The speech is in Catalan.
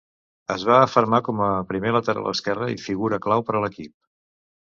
Es va afermar com a primer lateral esquerre i figura clau per a l'equip.